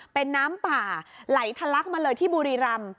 เป็นน้ำป่าไหลทะลักมาเลยที่บุรีรำ